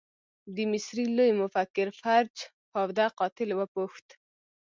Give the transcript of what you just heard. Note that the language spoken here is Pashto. د مصري لوی مفکر فرج فوده قاتل وپوښت.